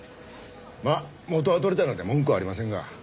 まあ元は取れたので文句はありませんが。